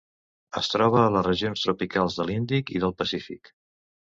Es troba a les regions tropicals de l'Índic i del Pacífic.